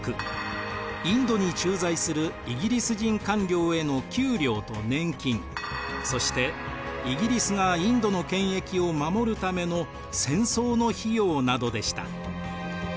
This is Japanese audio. インドに駐在するイギリス人官僚への給料と年金そしてイギリスがインドの権益を守るための戦争の費用などでした。